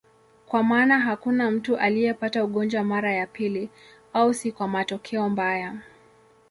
Kwa maana hakuna mtu aliyepata ugonjwa mara ya pili, au si kwa matokeo mbaya.